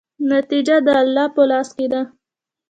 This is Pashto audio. نتیجه د الله په لاس کې ده.